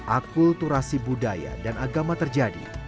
akulturasi budaya dan agama terjadi